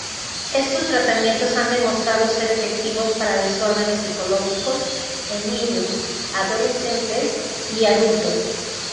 Estos tratamientos han demostrado ser efectivos para desórdenes psicológicos en niños, adolescentes y adultos.